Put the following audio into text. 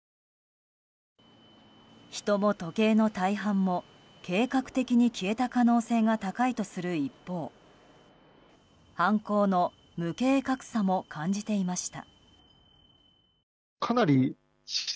人も時計の大半も計画的に消えた可能性が高いとする一方犯行の無計画さも感じていました。